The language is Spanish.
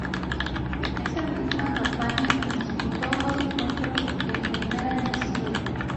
Esa misma campaña disputó dos encuentros en Primera División.